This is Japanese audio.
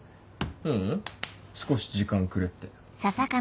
ううん少し時間くれって。